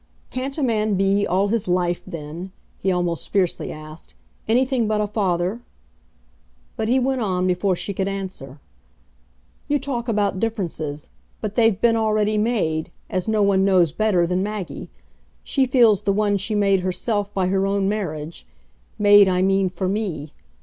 "Can't a man be, all his life then," he almost fiercely asked, "anything but a father?" But he went on before she could answer. "You talk about differences, but they've been already made as no one knows better than Maggie. She feels the one she made herself by her own marriage made, I mean, for me.